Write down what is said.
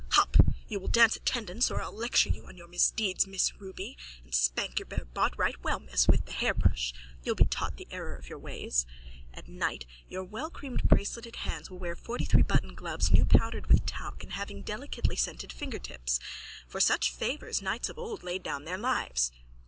Hop! You will dance attendance or I'll lecture you on your misdeeds, Miss Ruby, and spank your bare bot right well, miss, with the hairbrush. You'll be taught the error of your ways. At night your wellcreamed braceletted hands will wear fortythreebutton gloves newpowdered with talc and having delicately scented fingertips. For such favours knights of old laid down their lives.